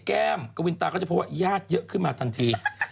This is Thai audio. แก้มกวินตาก็จะพบว่าญาติเยอะขึ้นมาทันที